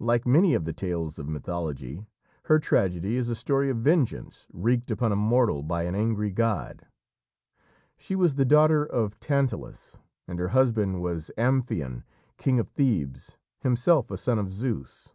Like many of the tales of mythology, her tragedy is a story of vengeance wreaked upon a mortal by an angry god. She was the daughter of Tantalus, and her husband was Amphion, King of Thebes, himself a son of Zeus.